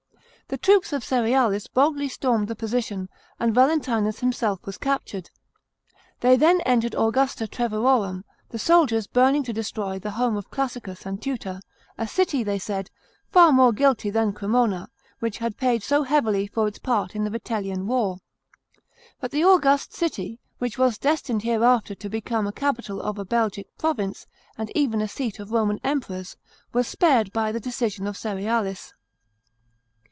The troops of Cerealis boldly stormed the position, and Valentinus himself was captured. They then entered Augusta Treverorum, the soldiers burning to destroy the home of Classicus and Tutor — a city, they said, far more guilty than Cremona, which had paid so heavily for its part in the Vitellian war. But the august city, which was destined hereafter to become the capital of a Belgic province, and even a seat of Roman Emperors, was spared by the decision of Cerealis.